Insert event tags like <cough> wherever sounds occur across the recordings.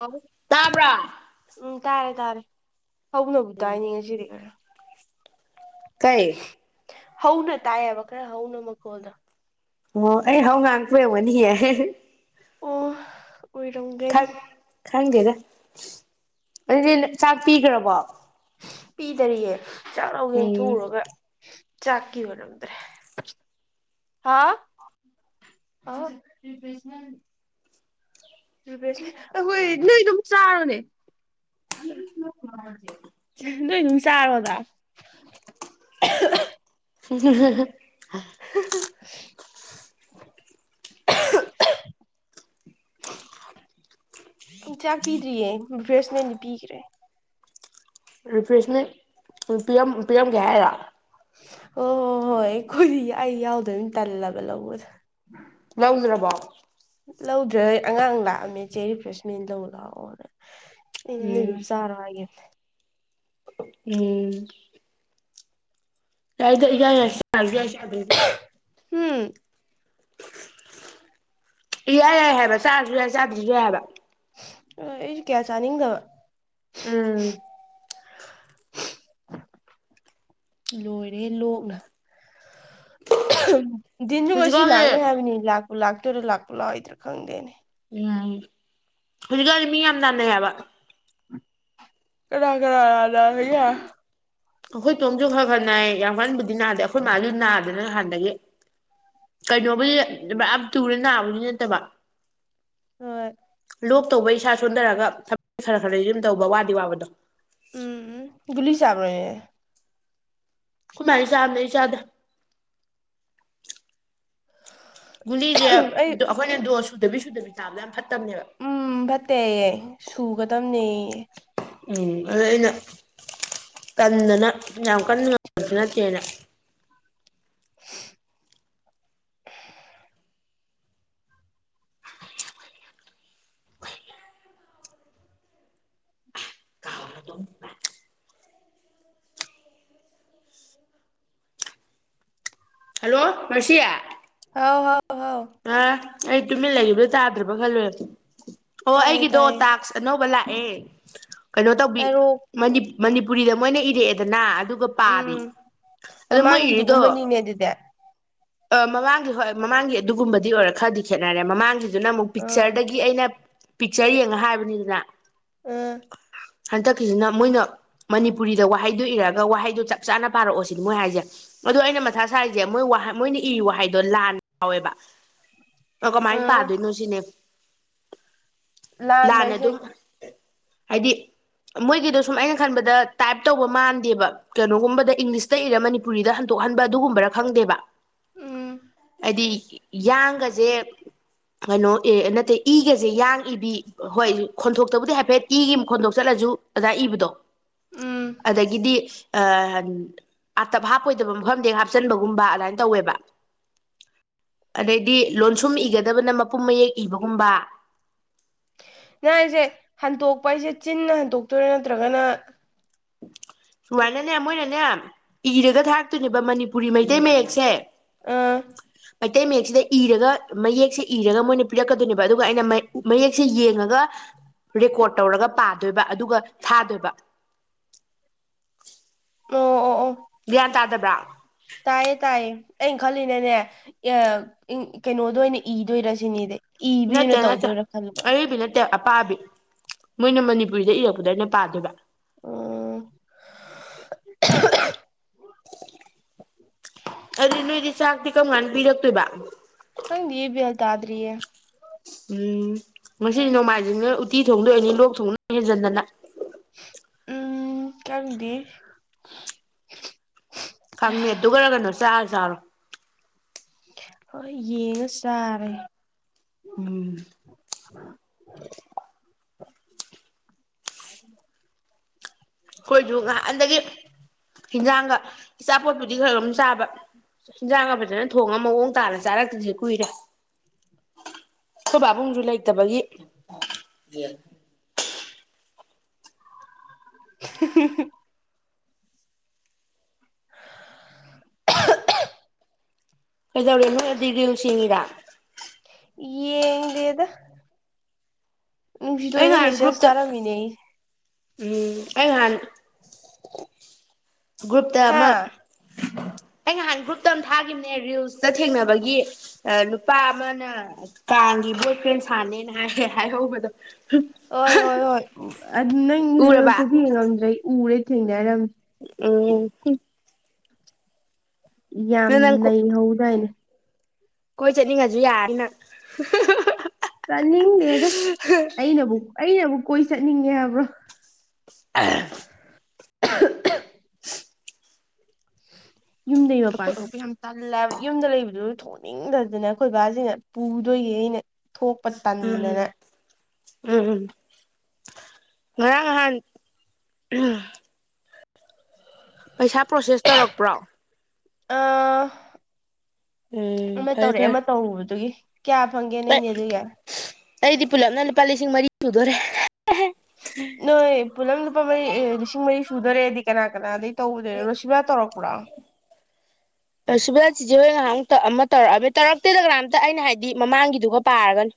ꯑ <inaudible> ꯇꯥꯕ꯭ꯔꯥ ꯎꯝ ꯇꯥꯔꯦ ꯇꯥꯔꯦ ꯍꯧꯅꯕꯨ ꯇꯥꯏꯅꯦ ꯉꯁꯤꯗꯤ ꯈꯔ ꯀꯩ ꯍꯧꯅ ꯇꯥꯏꯕ ꯍꯧꯅ ꯅꯀꯣꯜꯗꯣ ꯑꯣ ꯑꯩ ꯍꯧ ꯉꯥꯡꯄꯩ ꯑꯣꯢꯔꯝꯅꯤꯍꯦ ꯑꯣ ꯑꯣꯏꯔꯝꯒꯅꯤ ꯈꯪꯒꯦꯗ ꯑꯗꯨꯗꯤ ꯆꯥꯛ ꯄꯤꯈ꯭ꯔꯕꯣ ꯄꯤꯗꯔꯤꯌꯦ ꯆꯥꯛꯔꯥꯎ ꯌꯦꯦ ꯎꯝ ꯊꯨꯔꯒ ꯆꯥꯛꯀꯤ ꯑꯣꯢꯔꯝꯗ꯭ꯔꯦ ꯍꯥ ꯄꯔꯦꯁ <inaudible> ꯑꯩꯈꯣꯏ ꯅꯣꯏ ꯑꯗꯨꯝ ꯆꯥꯔꯣꯅꯦ ꯅꯣꯏ ꯑꯗꯨꯝ ꯆꯥꯔꯣꯗꯥ ꯍ <inaudible> <inaudible> ꯆꯥꯛ ꯄꯤꯗ꯭ꯔꯤꯌꯦ ꯚ꯭ꯔꯦꯁꯃꯦꯟꯗꯤ ꯄꯤꯈ꯭ꯔꯦ ꯔꯤꯐ꯭ꯔꯦꯁꯃꯦꯟ ꯄꯤꯔꯝꯒꯦ ꯍꯥꯏꯔꯣ ꯑꯣ ꯍꯣꯏ ꯍꯣꯏ ꯈꯣꯏꯔꯤ ꯑꯩ ꯌꯥꯎꯗꯣꯏꯅꯤ ꯇꯜꯂꯒ ꯂꯧꯕꯗ ꯂꯧꯗ꯭ꯔꯕꯣ ꯂꯧꯗ꯭ꯔꯦ ꯍ ꯑꯉꯥꯡ ꯂꯥꯛꯑꯝꯃꯦꯆꯦ ꯔꯤꯐ꯭ꯔꯦꯁꯃꯦꯟ ꯂꯧ ꯂꯥꯛꯑꯣꯅꯦ ꯑꯩꯅ ꯅꯣꯢ ꯎꯝ ꯑꯗꯨꯝ ꯆꯔꯣ ꯍꯥꯏꯈꯔꯝꯅꯦ ꯎꯝ ꯌꯥꯢꯗ ꯢꯌꯥ ꯌꯥꯢ ꯎꯝ ꯌꯥꯏ ꯌꯥꯏ ꯍꯥꯏꯕ ꯆꯥꯔꯁꯨ ꯌꯥꯏ ꯆꯥꯗ꯭ꯔꯁꯨ ꯌꯥꯏ ꯍꯥꯏꯕ ꯑꯩꯁꯨ ꯀꯌꯥ ꯆꯥꯅꯤꯡꯗꯕ ꯎꯝ ꯂꯣꯏꯔꯦ ꯂꯣꯛꯅ ꯤꯟꯁꯨ ꯉꯁꯤ ꯍꯧꯖꯤꯛꯀꯥꯟꯗꯤ ꯂꯥꯛꯅꯤ ꯍꯥꯏꯕꯅꯤ ꯂꯥꯛꯄ ꯂꯥꯛꯇꯣꯏꯔꯥ ꯂꯥꯛꯄ ꯂꯥꯛꯑꯣꯏꯗ꯭ꯔꯥ ꯈꯪꯗꯦꯅꯦ ꯎꯝ ꯍꯧꯖꯤꯛꯀꯥꯟꯗꯤ ꯃꯤ ꯌꯥꯝ ꯅꯥꯟꯅꯩ ꯍꯥꯏꯕ ꯀꯔꯥ ꯀꯥꯗ ꯍ ꯌꯥ ꯑꯩꯈꯣꯏ ꯇꯣꯡꯝꯁꯨ ꯈꯔ ꯈꯔ ꯅꯥꯏ ꯌꯥꯝ ꯋꯥꯟꯕꯨꯗꯤ ꯅꯥꯗꯦ ꯑꯩꯈꯣꯏ ꯃꯥꯁꯨ ꯅꯥꯗꯅ ꯍꯥꯟꯗꯒꯤ ꯀꯩꯅꯣꯕꯨꯗꯤ ꯕꯥ ꯌꯥꯝ ꯇꯨꯔ ꯅꯥꯕꯗꯤ ꯅꯠꯇꯕ ꯍ ꯂꯣꯛ ꯇꯧꯕ ꯏꯁꯥ ꯁꯣꯟꯊꯔꯒ ꯊꯕꯛ ꯈꯔ ꯈꯔ ꯌꯨꯝ ꯇꯧꯕ ꯋꯥꯗꯤ ꯋꯥꯕꯗꯣ ꯎꯝ ꯎꯝꯒ ꯆꯥꯕ꯭ꯔꯅꯦ ꯍꯃꯥꯏ ꯆꯥꯗ ꯆꯥꯗ ꯒꯨꯂꯤꯁꯦ ꯑꯩ ꯑꯩꯈꯣꯏꯅ ꯗꯣꯟ ꯁꯨꯗꯕꯤ ꯁꯨꯗꯕꯤ ꯇꯥꯕꯗ ꯌꯥꯝ ꯐꯠꯇꯕꯅꯦꯕ ꯎꯝ ꯐꯠꯇꯦꯌꯦ ꯁꯨꯒꯗꯝꯕꯅꯦ ꯎꯝ ꯑꯗꯨꯗꯣ ꯑꯩꯅ ꯀꯟꯗꯅ ꯌꯥꯝ ꯀꯟ ꯉꯕꯁꯨ ꯅꯠꯇꯦꯅ ꯎ ꯍꯜꯂꯣ ꯉꯔꯁꯤꯌꯦ ꯍꯥꯎ ꯍꯥꯎ ꯑꯍꯥꯎ ꯑ ꯑꯩ ꯇꯨꯃꯤꯟ ꯂꯩꯕꯗꯣ ꯇꯥꯗ꯭ꯔꯕ ꯈꯜꯂꯨꯔꯦ ꯑꯣ ꯇꯥꯏꯌꯦ ꯑꯩꯒꯤꯗꯣ ꯇꯥꯏꯌꯦ ꯇꯥꯛꯁ ꯑꯅꯧꯕ ꯂꯥꯛꯑꯦ ꯀꯩꯅꯣ ꯇꯧꯕꯤ ꯍꯥꯏꯔꯛꯑꯣ ꯃꯅꯤꯄꯨꯔꯤꯗ ꯃꯣꯏꯅ ꯏꯔꯛꯑꯦꯗꯅ ꯑꯗꯨ ꯑꯗꯨꯒ ꯄꯥꯕꯤ ꯎꯝ ꯑꯗꯣ ꯃꯣꯏ ꯏꯔꯤꯗꯣ ꯑꯗꯨꯗ ꯑ ꯃꯃꯥꯡꯒꯤ ꯍꯣꯏ ꯃꯃꯥꯡꯒꯤ ꯑꯗꯨꯒꯨꯝꯕꯗꯤ ꯑꯣꯏꯔ ꯈꯔꯗꯤ ꯈꯦꯠꯅꯔꯦ ꯃꯃꯥꯡꯒꯤ ꯑꯗꯨꯅ ꯑꯃꯨꯛ ꯑꯥ ꯄꯤꯛꯆꯔꯗꯒꯤ ꯑꯩꯅ ꯄꯤꯛꯆꯔ ꯌꯦꯡꯉ ꯍꯥꯏꯕꯅꯤꯗꯅ ꯎꯝ ꯍꯟꯗꯛꯀꯤꯁꯤꯅ ꯃꯣꯏꯅ ꯃꯅꯤꯄꯨꯔꯤꯗ ꯋꯥꯍꯩꯗꯨꯣ ꯏꯔꯛꯑꯒ ꯋꯥꯍꯩꯗꯨꯣ ꯆꯞ ꯆꯥꯅ ꯄꯥꯔꯛꯑꯣ ꯁꯤꯅꯤ ꯃꯣꯏ ꯍꯥꯏꯁꯦ ꯑꯗꯨ ꯑꯩꯅ ꯃꯊꯥ ꯁꯔꯤꯁꯦ ꯃꯣꯏ ꯃꯣꯏꯅ ꯏꯌꯨ ꯍꯥꯏꯗꯣ ꯂꯥꯟ ꯌꯥꯎꯋꯦꯕ ꯀꯃꯥꯏꯅ ꯑꯥ ꯄꯥꯗꯣꯏꯅꯣ ꯁꯤꯅꯦ ꯂꯥꯟꯕ ꯍꯥꯏꯁꯦ ꯂꯥꯟꯅꯗꯣ ꯍꯥꯏꯗꯤ ꯃꯣꯏꯒꯤꯗꯣ ꯁꯨꯝ ꯑꯩꯅ ꯈꯟꯕꯗ ꯇꯥꯏꯞ ꯇꯧꯕ ꯃꯥꯟꯗꯦꯕ ꯀꯩꯅꯣꯒꯨꯝꯕꯗ ꯏꯪꯂꯤꯁꯇ ꯏꯔ ꯃꯅꯤꯄꯨꯔꯤꯗ ꯍꯟꯗꯣꯛꯍꯟꯕ ꯑꯗꯨꯒꯨꯝꯕꯔ ꯈꯪꯗꯦꯕ ꯎꯝ ꯍꯥꯏꯗꯤ ꯌꯥꯡꯒꯁꯦ ꯀꯩꯅꯣ ꯑꯦ ꯅꯠꯇꯦ ꯏꯒꯁꯦ ꯌꯥꯡ ꯏꯕꯤ ꯍꯣꯏ ꯈꯣꯟꯊꯣꯛꯇꯕꯨꯗꯤ ꯍꯥꯏꯐꯦꯠ ꯏꯒꯤ ꯈꯣꯟꯗꯣꯛ ꯆꯠꯂꯁꯨ ꯑꯗꯥ ꯏꯕꯗꯣ ꯎꯝ ꯑꯗꯒꯤꯗꯤ ꯑꯇꯞ ꯍꯥꯞꯄꯣꯏꯗꯕ ꯃꯐꯝꯗꯒꯤ ꯍꯥꯞꯆꯟꯕꯒꯨꯝꯕ ꯑꯗꯨꯃꯥꯏ ꯇꯧꯋꯦꯕ ꯑꯗꯩꯗꯤ ꯂꯣꯟꯁꯨꯝ ꯏꯒꯗꯕꯅ ꯃꯄꯨꯝ ꯃꯌꯦꯛ ꯏꯕꯒꯨꯝꯕ ꯅ ꯑꯩꯁꯦ ꯍꯟꯇꯣꯛꯄ ꯑꯩꯁꯦ ꯆꯤꯟꯅ ꯍꯟꯇꯣꯛꯇꯣꯏꯔꯦ ꯅꯠꯇ꯭ꯔꯒꯅ ꯆ ꯋꯥ ꯅꯅꯦ ꯃꯣꯏ ꯅꯅꯦ ꯏꯔꯒ ꯊꯥꯔꯛꯇꯣꯏꯅꯦꯕ ꯃꯅꯤꯄꯨꯔꯤ ꯃꯩꯇꯩ ꯃꯌꯦꯛꯁꯦ ꯑꯥ ꯃꯩꯇꯩ ꯃꯌꯦꯛꯁꯤꯗ ꯏꯔꯒ ꯃꯌꯦꯛꯁꯦ ꯏꯔꯒ ꯃꯣꯏꯅ ꯄꯤꯔꯛꯀꯗꯣꯏꯅꯦꯕ ꯑꯗꯨꯒ ꯑꯩꯅ ꯃ ꯃꯌꯦꯛꯁꯦ ꯌꯦꯡꯉꯒ ꯔꯦꯀꯣꯔꯠ ꯇꯧꯔꯒ ꯄꯥꯗꯣꯏꯕ ꯑꯗꯨꯒ ꯊꯥꯗꯣꯏꯕ ꯎꯝ ꯑꯣ ꯑꯣ ꯒ꯭ꯌꯥꯟ ꯇꯥꯗꯕ꯭ꯔꯥ ꯇꯥꯏꯌꯦ ꯇꯥꯏꯌꯦ ꯑꯩꯅ ꯈꯜꯂꯤꯅꯅꯦ ꯀꯩꯅꯣꯗ ꯑꯣꯏꯅ ꯏꯗꯣꯏꯔꯁꯤꯅꯦꯗꯤ ꯅꯠꯇꯦ ꯏꯕꯤꯅ ꯅꯠꯇꯦ ꯇꯧꯗꯣꯏꯔꯥ ꯈꯜꯕ ꯑꯔꯤꯕꯤ ꯅꯠꯇꯦ ꯑꯄꯥꯕꯤ ꯃꯣꯏꯅ ꯃꯅꯤꯄꯨꯔꯤꯗ ꯏꯔꯛꯄꯗ ꯑꯩꯅ ꯄꯥꯗꯣꯏꯕ ꯎꯝ ꯑꯗꯨꯗꯤ ꯅꯣꯏꯗꯤ ꯆꯥꯛꯇꯤ ꯀꯔꯝ ꯀꯥꯟ ꯄꯤꯔꯛꯇꯣꯏꯕ ꯈꯪꯗꯤ ꯕꯦꯜ ꯇꯥꯗ꯭ꯔꯤꯌꯦ꯫ ꯎꯝ ꯉꯁꯤꯗꯤ ꯅꯣꯡꯃꯥꯏꯖꯤꯡꯅ ꯎꯇꯤ ꯊꯣꯡꯗꯣꯏꯅꯤ ꯂꯣꯛ ꯊꯨꯡ ꯍꯦꯟꯖꯟꯗꯅ ꯎꯝ ꯀꯪꯗꯤ꯫ ꯈꯪꯃꯦ ꯑꯗꯨꯒ ꯀꯩꯅꯣ ꯆꯥꯔ ꯆꯥꯔꯣ ꯍꯣꯏ ꯌꯦꯡꯉ ꯆꯥꯔꯦ꯫ ꯎꯝ <inaudible> ꯑꯩꯈꯣꯏꯁꯨ ꯉꯍꯥꯟꯗꯒꯤ ꯏꯟꯖꯥꯡꯒ ꯏꯆꯥꯄꯣꯠꯄꯨꯗꯤ ꯈꯔ ꯑꯗꯨꯝ ꯆꯥꯕ ꯍꯤꯟꯖꯥꯡꯒ ꯐꯖꯅ ꯊꯣꯡꯉ ꯃꯑꯣꯡ ꯇꯥꯅ ꯆꯥꯔꯛꯇ꯭ꯁꯦ ꯀꯨꯏꯔꯦ꯫ ꯑꯈꯣꯏ ꯄꯥꯕꯨꯡꯁꯨ ꯂꯩꯇꯕꯒꯤ꯫ <unintelligible> ꯀꯩꯗꯧꯔꯦ ꯅꯣꯏ ꯗꯤꯜꯁꯤꯡꯒꯤꯔ ꯌꯦꯡꯗꯤꯗ꯫ ꯑꯩ ꯅꯨꯡꯁꯤꯗꯣꯏꯗꯝ ꯅꯍꯥꯟ ꯃꯦꯁꯦꯁ ꯒ꯭ꯔꯨꯞꯇ ꯊꯥꯔꯝꯃꯤꯅꯦ ꯑꯩ ꯎꯝ ꯑꯩ ꯅꯍꯥꯟ ꯒ꯭ꯔꯨꯞꯇ ꯍꯥ ꯑꯃ <inaudible> ꯑꯩ ꯅꯍꯥꯟ ꯒ꯭ꯔꯨꯞꯇ ꯑꯃ ꯊꯥꯒꯤꯅꯦ ꯔꯤꯜꯁꯇ ꯊꯦꯡꯅꯕꯒꯤ ꯂꯨꯄꯥ ꯑꯃꯅ ꯀꯥꯪꯡꯒꯤꯕꯨꯣꯛꯛꯇ ꯏꯟꯁꯥꯅꯦꯅ ꯍꯥꯏ ꯍꯥꯑꯣꯕꯗꯣ ꯍꯣꯏ ꯍꯣꯏ ꯍꯣꯏ ꯑꯗꯨ ꯅꯪ ꯎꯔꯕ ꯏꯚꯌꯨꯁꯗꯤ ꯊꯦꯡꯉꯝꯗ꯭ꯔꯦ ꯎꯔꯦ ꯊꯦꯡꯅꯩ ꯍꯥꯏꯔꯝꯦ꯫ ꯎꯝ ꯌꯥꯝ ꯅꯪ ꯅꯪ ꯅꯩꯍꯧꯗꯥꯏꯅꯦ꯫ ꯀꯣꯏ ꯆꯠꯅꯤꯡꯉꯁꯨ ꯌꯥꯔꯅꯤ ꯅꯪ ꯆꯠꯅꯤꯡꯗꯦꯗ ꯑꯩꯅꯕꯨ ꯑꯩꯅꯕꯨ ꯀꯣꯏ ꯆꯠꯅꯤꯡꯉꯦ ꯍꯥꯏꯕ꯭ꯔꯣ? <unintelligible> <unintelligible> ꯌꯨꯝꯗꯒꯤꯩ ꯃꯄꯥꯟ ꯊꯣꯛꯄ ꯌꯥꯝ ꯇꯜꯂꯦ ꯍꯥꯏꯕ ꯌꯨꯝꯗ ꯂꯩꯕꯗꯨ ꯊ ꯊꯣꯛꯅꯤꯡꯗꯗꯅ ꯑꯩꯈꯣꯏ ꯕꯥꯁꯤꯅ ꯄꯨꯗꯣꯏꯌꯦ ꯑꯩꯅ ꯊꯣꯛꯄ ꯇꯟꯗꯅ ꯎꯝ ꯎꯝ ꯎꯝ ꯉꯔꯥꯡ ꯅꯍꯥꯟ ꯄꯩꯁꯥ ꯄ꯭ꯔꯣꯁꯦꯁ ꯇꯧꯔꯛꯄ꯭ꯔꯣ? ꯑ ꯎꯝ ꯑꯃ ꯐꯔꯦ ꯇꯧꯔꯑꯦ ꯐꯔꯦ ꯑꯃ ꯇꯧꯔꯨꯕꯗꯨꯒꯤ꯫ ꯀꯌꯥ ꯐꯪꯒꯦ ꯅꯪꯒꯤ ꯑꯗꯨꯒꯤ ꯑꯩꯗꯤ ꯄꯨꯂꯞꯅ ꯂꯨꯄꯥ ꯂꯤꯁꯤꯡ ꯃꯔꯤ ꯁꯨꯗꯣꯔꯦ꯫ ꯅꯣꯏ ꯄꯨꯂꯞ ꯂꯨꯄꯥ ꯃꯔꯤ ꯂꯤꯁꯤꯡ ꯃꯔꯤ ꯁꯨꯗꯣꯔꯦꯗꯤ ꯀꯅꯥ ꯀꯅꯥꯗꯒꯤꯩ ꯇꯧꯗꯣꯏꯔ ꯔꯣꯁꯤꯕꯥ ꯇꯧꯔꯛꯄ꯭ꯔꯣ ꯁꯤꯚꯦꯜ ꯆꯤꯖꯦ ꯍꯣꯏ ꯉꯥꯏꯍꯥꯛꯇ ꯑꯃ ꯇꯧꯔꯛꯑꯕ ꯇꯧꯔꯛꯇꯦꯗ ꯀꯝꯇ ꯑꯩꯅ ꯍꯥꯏꯗꯤ ꯃꯃꯥꯡꯒꯤꯗꯨꯒ ꯄꯥꯔꯒꯅꯤ꯫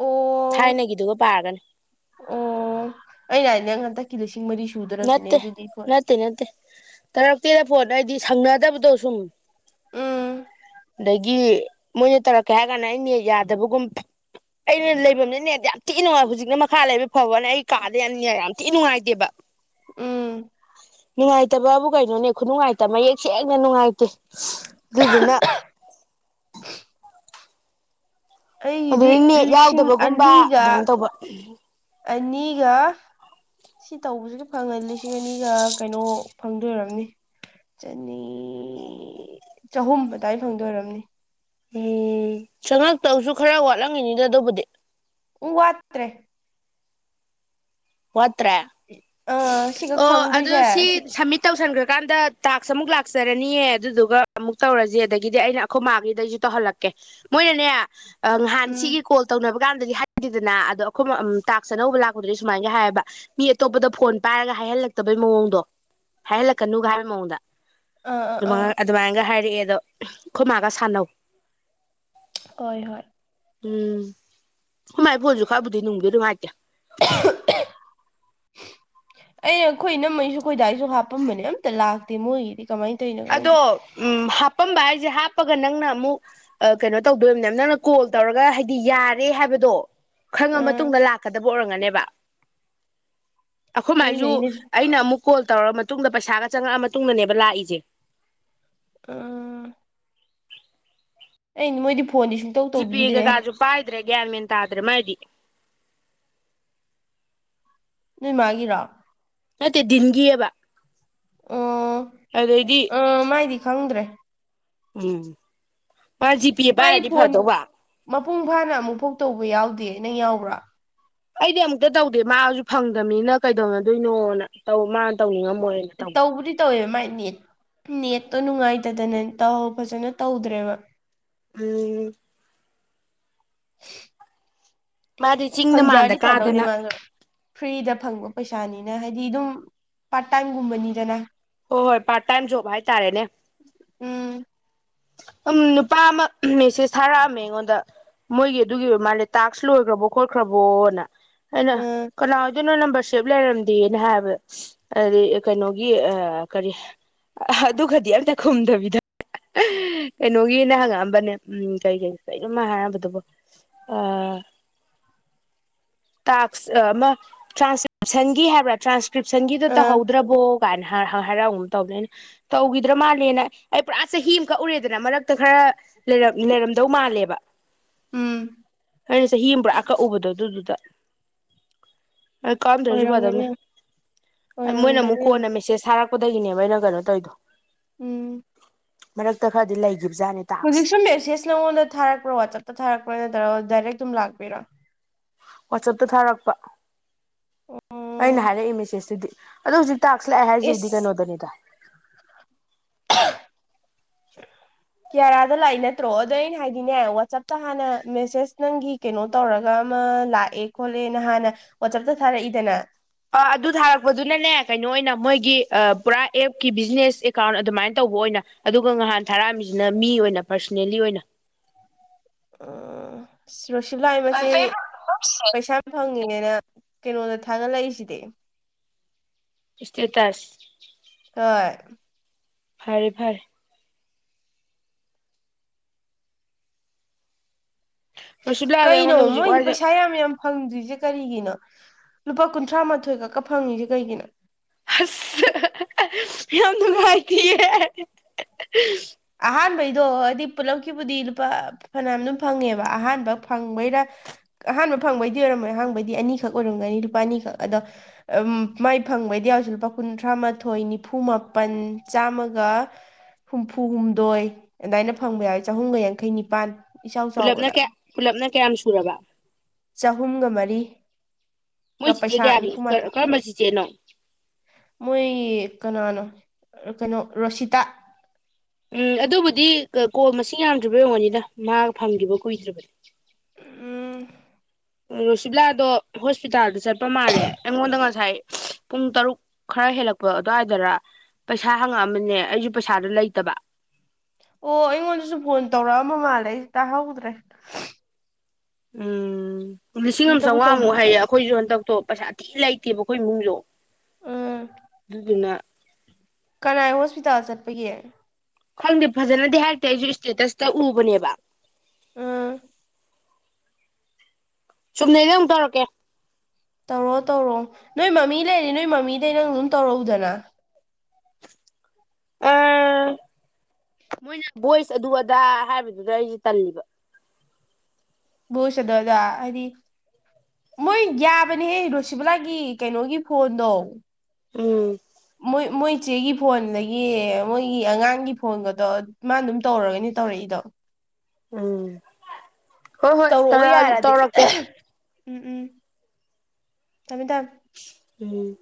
ꯑꯣ ꯊꯥꯏꯅꯒꯤꯗꯨꯒ ꯄꯥꯒꯅꯤ꯫ ꯑꯣ ꯑꯩꯅ ꯍꯥꯏꯅꯦ ꯍꯟꯗꯛꯀꯤ ꯂꯤꯁꯤꯡ ꯃꯔꯤ ꯁꯨꯗꯣꯔꯕꯅꯦ ꯅꯠꯇꯦ ꯑꯗꯨꯗꯤ ꯐꯣꯟ ꯅꯠꯇꯦ ꯅꯠꯇꯦ ꯇꯔꯛꯇꯦꯗ ꯐꯣꯟ ꯑꯩꯗꯤ ꯁꯪꯅꯗꯕꯗꯣ ꯁꯨꯝ ꯎꯝ ꯑꯗꯒꯤ ꯃꯣꯏꯅ ꯇꯧꯔꯛꯀꯦ ꯍꯥꯏ ꯀꯥꯟꯗ ꯑꯩꯅ ꯌꯥꯗꯕꯒꯨꯝ ꯑꯩꯅ ꯂꯩꯐꯝꯅꯤꯅꯦ ꯌꯥꯝ ꯊꯤ ꯅꯨꯡꯉꯥꯏ ꯍꯧꯖꯤꯛꯅ ꯃꯈꯥ ꯂꯩꯕ ꯐꯥꯎꯕꯅ ꯑꯩ ꯀꯥꯗꯦ ꯌꯥꯝꯅꯤꯅꯦ ꯌꯥꯝ ꯊꯤ ꯅꯨꯡꯉꯥꯏꯇꯦꯕ ꯎꯝ ꯅꯨꯡꯉꯥꯏꯇꯕꯕꯨ ꯀꯩꯅꯣꯅꯦ ꯈꯨꯅꯨꯡꯉꯥꯏꯇꯕ ꯃꯌꯦꯛ ꯁꯦꯡꯅ ꯅꯨꯡꯉꯥꯏꯇꯦ ꯑꯗꯨꯗꯨꯅ ꯑꯩꯒꯤꯗꯤ ꯑꯗꯨꯗꯤ ꯅꯦꯠ ꯂꯤꯁꯤꯡ ꯌꯥꯎꯗꯕꯒꯨꯝꯕ ꯑꯅꯤꯒ ꯑꯗꯨꯃꯥꯏꯅ ꯇꯧꯕ ꯑꯅꯤꯒ ꯁꯤ ꯇꯧꯕꯁꯨ ꯐꯪꯉꯅꯤ ꯂꯤꯁꯤꯡ ꯑꯅꯤꯒ ꯀꯩꯅꯣ ꯐꯪꯗꯣꯏꯝꯅꯤ꯫ ꯆꯅꯤ ꯆꯍꯨꯝ ꯑꯗꯨꯏ ꯐꯪꯗꯣꯏꯝꯅꯤ꯫ ꯎꯝ ꯁꯉꯛꯇꯧꯁꯨ ꯈꯔ ꯋꯥꯠꯂꯝꯉꯤꯅꯤꯗ ꯑꯗꯨꯕꯨꯗꯤ꯫ ꯎꯝ ꯋꯥꯠꯇ꯭ꯔꯦ꯫ ꯋꯥꯠꯇ꯭ꯔꯦ ꯑꯥ ꯁꯤꯈꯛ ꯑꯣ ꯑꯗꯨ ꯐꯪꯗꯣꯏꯁꯦ ꯁꯤ ꯁꯃꯤꯠ ꯇꯧꯁꯟꯒ꯭ꯔꯀꯥꯟꯗ ꯇꯥꯛꯁ ꯑꯃꯨꯛ ꯂꯥꯛꯆꯔꯅꯤꯌꯦ ꯑꯗꯨꯗꯨꯒ ꯑꯃꯨꯛ ꯇꯧꯔꯖꯤ ꯑꯗꯒꯤꯗꯤ ꯑꯩꯅ ꯑꯈꯣꯏ ꯃꯥꯒꯤꯗꯩꯖꯨ ꯇꯧꯍꯜꯂꯛꯀꯦ ꯃꯣꯏꯅꯅꯦ ꯑ ꯉꯍꯥꯟ ꯎꯝ ꯁꯤꯒꯤ ꯀꯣꯜ ꯇꯧꯅꯕ ꯀꯥꯟꯗꯗꯤ ꯍꯥꯏꯗꯦꯗꯅ ꯑꯗꯣ ꯑꯩꯈꯣꯏ ꯃ ꯑꯝ ꯇꯥꯛꯁ ꯑꯅꯧꯕ ꯂꯥꯛꯄꯗꯗꯤ ꯁꯨꯃꯥꯏꯅꯒ ꯍꯥꯏꯕ ꯃꯤ ꯑꯇꯣꯞꯄꯗ ꯐꯣꯟ ꯄꯥꯏꯔꯒ ꯍꯥꯏꯍꯜꯂꯛꯇꯕꯩ ꯃꯑꯣꯡꯗꯣ ꯍꯥꯏꯍꯜꯂꯛꯀꯅꯨꯒ ꯍꯥꯏꯕꯩ ꯃꯑꯣꯡꯗ ꯑꯥ ꯑꯥ ꯑꯗꯨꯃ ꯑꯥ ꯑꯗꯨꯃꯥꯏꯅꯒ ꯍꯥꯏꯔꯛꯑꯦꯗꯣ ꯑꯩꯈꯣꯏ ꯃꯥꯒ ꯁꯥꯟꯅꯧ ꯍꯣꯏ ꯍꯣꯏ ꯎꯝ ꯑꯈꯣꯏ ꯃꯥꯏ ꯐꯣꯟꯖꯨ ꯈꯔꯕꯨꯗꯤ ꯅꯨꯡꯗꯤ ꯅꯨꯡꯉꯥꯏꯇꯦ <unintelligible> ꯑꯩꯅ ꯑꯩꯈꯣꯏ ꯏꯅꯝꯃꯩꯁꯨ ꯑꯩꯈꯣꯏꯗꯥꯏꯁꯨ ꯍꯥꯞꯄꯝꯕꯅꯦ ꯑꯝꯇ ꯂꯥꯛꯇꯦ ꯃꯣꯏꯒꯤꯗꯤ ꯀꯃꯥꯏ ꯑꯗꯣ ꯎꯝ ꯍꯥꯞꯄꯝꯕ ꯍꯥꯏꯖꯦ ꯍꯥꯞꯄꯒ ꯅꯪꯅ ꯑꯃꯨꯛ ꯑ ꯀꯩꯅꯣ ꯇꯧꯗꯣꯏꯝꯅꯦ ꯅꯪꯅ ꯀꯣꯜ ꯇꯧꯔꯒ ꯍꯥꯏꯗꯤ ꯌꯥꯔꯦ ꯍꯥꯏꯕꯗꯣ ꯈꯪꯉ ꯑꯥ ꯃꯇꯨꯡꯗ ꯂꯥꯛꯀꯗꯕ ꯑꯣꯏꯔꯝꯒꯅꯦꯕ ꯑꯩꯈꯣꯏ ꯈꯪꯗꯦ ꯃꯥꯏꯖꯨ ꯑꯩꯅꯁꯨ ꯑꯩꯅ ꯑꯃꯨꯛ ꯀꯣꯜ ꯇꯧꯔꯒ ꯃꯇꯨꯡꯗ ꯄꯩꯁꯥꯒ ꯆꯪꯉꯛꯑ ꯃꯇꯨꯡꯗꯅꯦꯕ ꯂꯥꯛꯏꯖꯦ <unintelligible> ꯑꯩꯅ ꯃꯣꯏꯗꯤ ꯐꯣꯟꯗꯤ ꯁ ꯖꯤ ꯄꯦ ꯀꯩꯀꯥꯁꯨ ꯄꯥꯏꯗ꯭ꯔꯦ ꯒ꯭ꯌꯥꯟꯃꯦꯟ ꯇꯥꯗ꯭ꯔꯦ ꯃꯥꯏꯗꯤ ꯅꯣꯏ ꯃꯥꯒꯤꯔꯣ ꯅꯠꯇꯦ ꯗꯤꯟꯒꯤꯑꯕ ꯑꯗꯩꯗꯤ ꯑ ꯃꯥꯏꯗꯤ ꯈꯪꯗ꯭ꯔꯦ ꯎꯝ ꯃꯥ ꯖꯤ ꯄꯦ ꯃꯥꯏ ꯄꯥꯏꯔꯗꯤ ꯐꯣꯟ ꯐꯗꯧꯕ ꯃꯄꯨꯡ ꯐꯥꯅ ꯑꯃꯨꯛꯐꯨꯛ ꯇꯧꯕ ꯌꯥꯎꯗꯦ ꯅꯪ ꯌꯥꯎꯕ꯭ꯔꯥ ꯑꯩꯗꯤ ꯑꯃꯨꯛꯇ ꯇꯧꯗꯦ ꯃꯥꯖꯨ ꯐꯪꯗꯃꯤꯅ ꯀꯩꯗꯧꯅꯗꯣꯏꯅꯣꯅ ꯇꯧ ꯃꯥ ꯇꯧꯅꯤꯡꯉꯝꯃꯣꯏꯅ ꯇꯧꯗꯦ ꯇꯧꯕꯨꯗꯤ ꯇꯧꯋꯦ ꯃꯥꯥꯏ ꯅꯦꯠ ꯅꯦꯠꯇꯣ ꯅꯨꯡꯉꯥꯏꯇꯗꯅ ꯇꯧ ꯐꯖꯅ ꯇꯧꯗ꯭ꯔꯦꯕ ꯎꯝ ꯃꯥꯗꯤ ꯆꯤꯡꯗ ꯃꯥꯟꯗ ꯐꯪꯖꯔꯗꯤ ꯐꯥꯗꯧꯅꯦ ꯀꯥꯗꯅ ꯃꯥꯖꯨ ꯐ꯭ꯔꯤꯗ ꯐꯪꯕ ꯄꯩꯁꯥꯅꯤꯅ ꯍꯥꯏꯗꯤ ꯑꯗꯨꯝ ꯄꯥꯔꯠ ꯇꯥꯏꯝꯒꯨꯝꯕꯅꯤꯗꯅ ꯍꯣꯏ ꯍꯣꯏ ꯄꯥꯔꯠ ꯇꯥꯏꯝ ꯖꯣꯕ ꯍꯥꯏꯇꯥꯔꯦꯅꯦ ꯎꯝ ꯑꯝ ꯅꯨꯄꯥ ꯑꯃ ꯃꯦꯁꯦꯁ ꯊꯥꯔꯛꯑꯝꯃꯦ ꯑꯩꯉꯣꯟꯗ ꯃꯣꯏꯒꯤ ꯑꯗꯨꯒꯤ ꯑꯣꯏꯔ ꯃꯥꯜꯂꯦ ꯇꯥꯛꯁ ꯂꯣꯏꯒ꯭ꯔꯕꯣ ꯈꯣꯠꯒ꯭ꯔꯕꯣꯅ ꯑꯩꯅ ꯑꯥ ꯀꯅꯥ ꯑꯣꯏ ꯗꯨꯅꯣ ꯅꯝꯕꯔꯁꯦꯞ ꯂꯩꯔꯝꯗꯦꯅ ꯍꯥꯏꯕ ꯑꯗꯤ ꯀꯩꯅꯣꯒꯤ ꯑ ꯀꯔꯤ ꯑ ꯑꯗꯨꯒꯗꯤ ꯑꯝꯇ ꯈꯨꯨꯝꯗꯕꯤꯗ ꯀꯩꯅꯣꯒꯤꯅ ꯍꯪꯉꯛꯑꯝꯕꯅꯦ ꯎꯝ ꯀꯩ ꯀꯩ ꯀꯩꯅꯣ ꯃꯥ ꯍꯥꯏꯔꯝꯕꯗꯨꯕꯨ ꯑꯥ ꯇꯥꯛꯁ ꯑꯃ ꯇꯔꯥꯟꯁꯀꯔꯤꯞ ꯁꯟꯒꯤ ꯍꯥꯏꯕ꯭ꯔꯥ ꯇ꯭ꯔꯥꯟꯁꯀ꯭ꯔꯤꯞꯁꯟꯒꯤꯗꯣ ꯑꯥ ꯇꯧꯍꯧꯗ꯭ꯔꯕꯣ ꯀꯥꯏꯅ ꯍꯥꯏ ꯍꯥꯏ ꯍꯥꯔꯛꯑꯝꯒꯨꯝ ꯇꯧꯕꯅꯦ ꯇꯧꯒꯤꯗ꯭ꯔ ꯃꯥꯜꯂꯦꯅ ꯑꯩ ꯄꯨꯔꯥ ꯆꯍꯤ ꯑꯃ ꯀꯛꯎꯔꯦꯗꯅ ꯃꯔꯛꯇ ꯈꯔ ꯂꯩꯔꯝ ꯂꯩꯔꯝꯗꯧ ꯃꯥꯜꯂꯦꯕ ꯎꯝ ꯑꯩꯅ ꯆꯍꯤ ꯑꯃ ꯄꯨꯔꯥ ꯀꯛꯎꯕꯗꯣ ꯑꯗꯨꯗꯨꯗ ꯑꯩ ꯀꯛꯑꯝꯗ꯭ꯔꯖꯨ ꯑꯣꯏꯔꯝꯒꯅꯤ ꯐꯗꯕꯅꯦ ꯑ ꯃꯣꯏꯅ ꯑꯃꯨꯛ ꯑꯣꯏꯔꯝꯒꯅꯤ ꯀꯣꯟꯅ ꯃꯦꯁꯦꯁ ꯊꯔꯛꯄ ꯕꯗꯒꯤꯅꯦꯕ ꯑꯩꯅ ꯀꯩꯅꯣ ꯇꯧꯏꯗꯣ ꯎꯝ ꯃꯔꯛꯇ ꯈꯔꯗꯤ ꯂꯩꯈꯤꯕꯖꯥꯠꯅꯤ ꯍꯧꯖꯤꯛ ꯇꯥꯛꯁ ꯁꯨ ꯃꯦꯁꯦꯁ ꯅꯉꯣꯟꯗ ꯊꯥꯔꯛꯄ꯭ꯔꯣ ꯋꯥꯆꯞꯇ ꯊꯥꯔꯛꯄ꯭ꯔꯥ ꯅꯠꯇ꯭ꯔꯒ ꯗꯥꯏꯔꯦꯛ ꯑꯗꯨꯝ ꯂꯥꯛꯄꯩꯔꯣ ꯋꯥꯆꯞꯇ ꯊꯥꯔꯛꯄ ꯎꯝ ꯑꯩꯅ ꯍꯥꯏꯔꯛꯏ ꯃꯦꯁꯦꯁꯇꯨꯗꯤ ꯑꯗꯣ ꯍꯧꯖꯤꯛ ꯇꯥꯛꯁ ꯂꯥꯛꯑꯦ ꯍꯥꯏꯁꯤꯗꯤ ꯏꯁ ꯀꯩꯅꯣꯗꯅꯤꯗ <unintelligible> ꯌꯥꯌꯥꯗ ꯂꯥꯛꯏ ꯅꯠꯇ꯭ꯔꯣ ꯑꯗꯣ ꯑꯩꯅ ꯍꯥꯏꯗꯤꯅꯦ ꯋꯥꯆꯞꯇ ꯍꯥꯟꯅ ꯃꯦꯁꯦꯁ ꯅꯪꯒꯤ ꯀꯩꯅꯣ ꯇꯧꯔꯒ ꯑꯃ ꯂꯥꯛꯑꯦ ꯈꯣꯠꯂꯦꯅ ꯍꯥꯟꯅ ꯋꯥꯆꯞꯇ ꯊꯥꯔꯛꯏꯗꯅ ꯑ ꯑꯗꯨ ꯊꯥꯔꯛꯄꯗꯨꯅꯅꯦ ꯀꯩꯅꯣ ꯑꯣꯏꯅ ꯃꯣꯏꯒꯤ ꯄꯨꯔꯥ ꯑꯦꯞꯀꯤ ꯕꯤꯖꯤꯅꯦꯁ ꯑꯦꯀꯥꯎꯟ ꯑꯗꯨꯃꯥꯏꯅ ꯇꯧꯕ ꯑꯣꯏꯅ ꯑꯗꯨꯒ ꯉꯍꯥꯟ ꯊꯥꯔꯛꯑꯝꯃꯤꯁꯤꯅ ꯃꯤ ꯑꯣꯏꯅ ꯄꯔꯁꯅꯦꯜꯂꯤ ꯑꯣꯏꯅ ꯑꯣ ꯖꯣꯁꯤꯂꯥꯏ ꯃꯆꯦ ꯄꯩꯁꯥ ꯐꯪꯉꯤꯅꯦꯅ ꯀꯩꯅꯣꯗ ꯊꯥꯒꯠꯂꯛꯏꯖꯤꯗꯤ ꯏꯁꯇꯦ ꯇꯁ ꯍꯣꯏ ꯐꯔꯦ ꯐꯔꯦ ꯔꯣꯁꯤꯕꯂꯥꯗꯣ ꯀꯩꯅꯣ ꯑꯩꯉꯣꯟꯗ ꯍꯧꯖꯤꯛ ꯃꯣꯏꯗꯤ ꯋꯥꯏꯗ ꯄꯩꯁꯥ ꯌꯥꯝ ꯌꯥꯝ ꯐꯪꯗ꯭ꯔꯤꯁꯦ ꯀꯔꯤꯒꯤꯅꯣ ꯂꯨꯄꯥ ꯀꯨꯟꯊ꯭ꯔꯥ ꯃꯥꯊꯣꯏ ꯈꯛꯀ ꯐꯪꯉꯤꯁꯦ ꯀꯩꯒꯤꯅꯣ ꯑꯁ ꯍꯥ ꯍꯥ ꯌꯥꯝ ꯅꯨꯡꯉꯥꯏꯇꯤꯌꯦ ꯑꯍꯥꯟꯕꯩꯗꯣ ꯍꯥꯏꯗꯤ ꯄꯨꯂꯞꯀꯤꯕꯨꯗꯤ ꯂꯨꯄꯥ ꯐꯅꯌꯥꯝ ꯑꯗꯨꯝ ꯐꯪꯉꯦꯕ ꯑꯍꯥꯟꯕ ꯐꯪꯕꯩꯔꯥ ꯑꯍꯥꯟꯕ ꯐꯪꯕꯩꯗꯤ ꯑꯣꯏꯔꯝꯃꯣꯏ ꯑꯍꯥꯟꯕꯩꯗꯤ ꯑꯅꯤꯈꯛ ꯑꯣꯏꯔꯝꯒꯅꯤ ꯂꯨꯄꯥ ꯑꯅꯤꯈꯛ ꯑꯗꯣ ꯃꯥꯏ ꯐꯪꯕꯩꯗꯤ ꯌꯥꯎꯁꯤ ꯂꯨꯄꯥ ꯀꯨꯟꯊ꯭ꯔꯥ ꯃꯥꯊꯣꯏ ꯅꯤꯐꯨ ꯃꯥꯄꯟ ꯆꯥꯝꯃꯒ ꯍꯨꯝꯐꯨ ꯍꯨꯝꯗꯣꯏ ꯑꯗꯥꯢꯅ ꯐꯪꯕ ꯌꯥꯎꯋꯦ ꯆꯍꯨꯝꯒ ꯌꯥꯡꯈꯩ ꯅꯤꯄꯥꯟ ꯏꯆꯥꯎ ꯄꯨꯜꯂꯞꯅ ꯆꯥꯎꯕꯗ ꯀꯌꯥ ꯄꯨꯜꯂꯞꯅ ꯀꯌꯥꯝ ꯁꯨꯔꯕ ꯆꯍꯨꯝꯒ ꯃꯔꯤ ꯃꯣꯏ ꯆꯤꯆꯦ ꯀꯌꯥꯒꯤ ꯀꯔꯝꯕ ꯆꯤꯆꯦꯅꯣ ꯃꯣꯏ ꯀꯅꯥꯅꯣ ꯀꯩꯅꯣ ꯔꯣꯁꯤꯇꯥ ꯎꯝ ꯑꯗꯨꯕꯨꯗꯤ ꯀꯣꯜ ꯃꯁꯤꯡ ꯌꯥꯝꯗ꯭ꯔꯤꯕꯩ ꯑꯣꯢꯔꯝꯒꯅꯤꯗ ꯃꯥ ꯐꯪꯒꯤꯕ ꯀꯨꯏꯗ꯭ꯔꯤꯕꯅꯤ ꯎꯝ ꯔꯣꯁꯤꯕꯤꯂꯥꯗꯣ ꯍꯣꯁꯄꯤꯇꯥꯜꯗ ꯆꯠꯄ ꯃꯥꯜꯂꯦ ꯑꯩꯉꯣꯟꯗ ꯉꯁꯥꯏ ꯄꯨꯡ ꯇꯔꯨꯛ ꯈꯔ ꯍꯦꯜꯂꯛꯄ ꯑꯗꯨꯋꯥꯏꯗꯔ ꯄꯩꯁꯥ ꯍꯪꯉꯛꯑꯃꯅꯦ ꯑꯩꯁꯨ ꯄꯩꯁꯥꯗꯣ ꯂꯩꯇꯕ ꯑꯣ ꯑꯩꯉꯣꯟꯗꯁꯨ ꯐꯣꯟ ꯇꯧꯔꯛꯑꯃ ꯃꯥꯜꯂꯦ ꯑꯩ ꯇꯥꯍꯧꯗ꯭ꯔꯦ ꯎꯝ ꯂꯤꯁꯤꯡ ꯑꯃ ꯑꯝꯇꯕꯨ ꯇꯧꯕꯤ ꯆꯥꯝꯃꯉꯥꯃꯨꯛ ꯍꯥꯏꯌꯦ ꯑꯩꯈꯣꯏꯁꯨ ꯍꯟꯗꯛꯇꯣ ꯄꯩꯁꯥ ꯊꯤ ꯂꯩꯇꯦꯕ ꯑꯩꯈꯣꯏ ꯏꯃꯨꯡꯖꯨ ꯎꯝ ꯑꯗꯨꯗꯨꯅꯥ ꯀꯅꯥꯏ ꯍꯣꯁꯄꯤꯇꯥꯜ ꯆꯠꯄꯒꯤ ꯈꯪꯗꯦ ꯐꯖꯟꯅꯗꯤ ꯍꯥꯏꯔꯛꯇꯦ ꯑꯩꯁꯨ ꯏꯁꯇꯦꯇꯁꯇ ꯎꯕꯅꯦꯕ ꯎꯝ ꯆꯨꯝꯅꯩꯗ ꯑꯃꯨꯛ ꯇꯧꯔꯛꯀꯦ ꯇꯧꯔꯣꯛꯑꯣ ꯇꯧꯔꯣꯛꯑꯣ ꯅꯣꯏ ꯃꯃꯤ ꯂꯩꯔꯤ ꯅꯣꯏ ꯃꯃꯤꯗꯩ ꯅꯪ ꯑꯗꯨꯝ ꯇꯧꯔꯛꯎꯗꯅ ꯑ ꯃꯣꯏꯅ ꯚꯣꯏꯁ ꯑꯗꯨ ꯑꯗꯥ ꯍꯥꯏꯕꯗꯨꯗ ꯑꯩꯖꯨ ꯇꯜꯂꯤꯕ ꯧꯁꯗꯗ ꯍꯥꯏ <unintelligible> ꯃꯣꯏ ꯌꯥꯕꯅꯦꯍꯦ ꯔꯣꯁꯤꯕꯂꯥꯒꯤ ꯀꯩꯅꯣꯒꯤ ꯐꯣꯟꯗꯣ ꯎꯝ ꯃꯣꯏ ꯃꯣꯏ ꯆꯦꯒꯤ ꯐꯣꯟꯗꯒꯤ ꯃꯣꯏꯒꯤ ꯑꯉꯥꯡꯒꯤ ꯐꯣꯟꯒꯗꯣ ꯃꯥ ꯑꯗꯨꯝ ꯇꯧꯔꯒꯅꯤ ꯇꯧꯔꯛꯏꯗꯣ ꯎꯝ ꯍꯣꯏ ꯍꯣꯏ ꯇꯧꯔꯛꯑꯣ ꯇꯧꯔꯛꯑ ꯌꯥꯔꯗꯤ ꯇꯧꯔꯛꯀꯦ ꯎꯝ ꯎꯝ ꯊꯝꯃꯦ ꯊꯝꯃꯦ ꯎꯝ